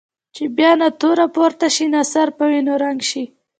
چې بیا نه توره پورته شي نه سر په وینو رنګ شي.